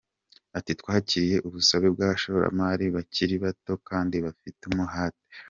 Ati "Twakiriye ubusabe bw’abashoramari bakiri bato kandi bafite umuhate.